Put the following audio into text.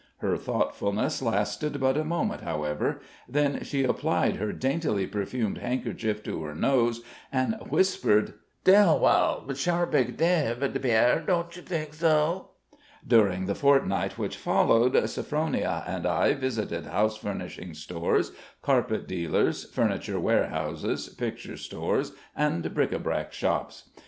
Her thoughtfulness lasted but a moment, however; then she applied her daintily perfumed handkerchief to her nose and whispered: "Dellwild! Charbig dabe, Pierre, dod't you thig so?" During the fortnight which followed, Sophronia and I visited house furnishing stores, carpet dealers, furniture warehouses, picture stores, and bric a brac shops.